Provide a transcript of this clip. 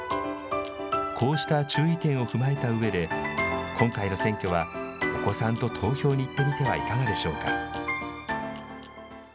こうした注意点を踏まえたうえで、今回の選挙はお子さんと投票に行ってみてはいかがでしょうか。